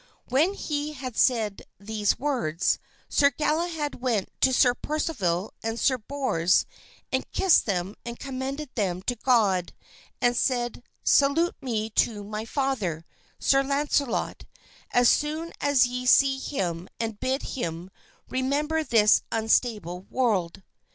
When he had said these words, Sir Galahad went to Sir Percival and Sir Bors and kissed them and commended them to God, and said, "Salute me to my father, Sir Launcelot, as soon as ye see him and bid him remember this unstable world."